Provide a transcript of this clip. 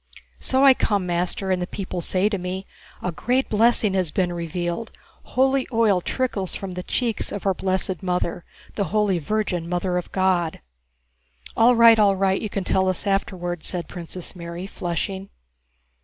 "So I come, master, and the people say to me: 'A great blessing has been revealed, holy oil trickles from the cheeks of our blessed Mother, the Holy Virgin Mother of God.'..." "All right, all right, you can tell us afterwards," said Princess Mary, flushing.